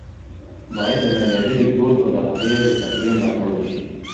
ـ بايد د معیاري لیکدود او د هغه د تقويې ملاتړ وشي